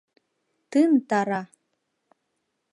Тын-тара!